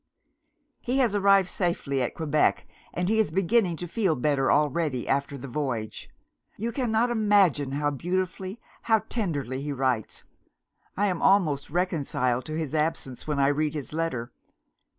"He has arrived safely at Quebec, and he is beginning to feel better already, after the voyage. You cannot imagine how beautifully, how tenderly he writes! I am almost reconciled to his absence, when I read his letter.